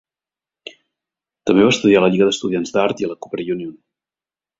També va estudiar a la Lliga d'Estudiants d'Art i a la Cooper Union.